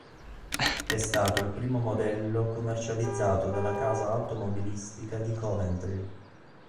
È stato il primo modello commercializzato dalla casa automobilistica di Coventry.